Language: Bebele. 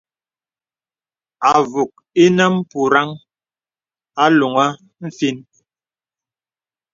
Àvùk ìnə mpùraŋ a loŋə nfīn.